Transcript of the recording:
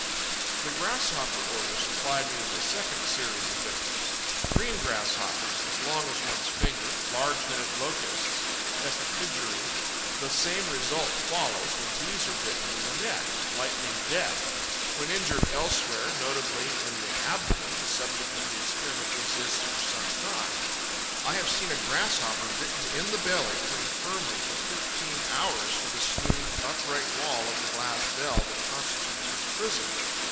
The Grasshopper order supplied me with a second series of victims: Green Grasshoppers as long as one's finger, large headed Locusts, Ephippigerae. The same result follows when these are bitten in the neck: lightning death. When injured elsewhere, notably in the abdomen, the subject of the experiment resists for some time. I have seen a Grasshopper, bitten in the belly, cling firmly for fifteen hours to the smooth, upright wall of the glass bell that constituted his prison.